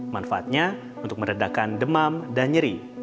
manfaatnya untuk meredakan demam dan nyeri